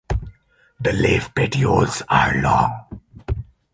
The leaf petioles are long.